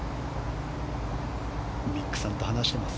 ミックさんと話しています。